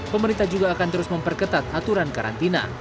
pemerintah juga akan terus memperketat aturan karantina